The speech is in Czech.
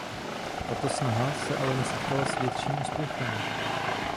Tato snaha se ale nesetkala s větším úspěchem.